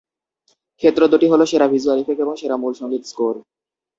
ক্ষেত্র দুটি হল সেরা ভিজুয়াল ইফেক্ট এবং সেরা মূল সঙ্গীত স্কোর।